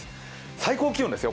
最高気温ですよ